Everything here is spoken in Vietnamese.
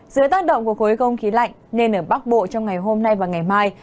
dưới tác động của khối không khí lạnh nên ở bắc bộ trong ngày hôm nay và ngày mai